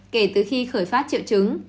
kể từ khi khởi phát triệu chứng